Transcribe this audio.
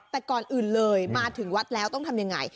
แต่ก่อนอื่นเลยมาถึงวัดแล้วต้องทำยังไง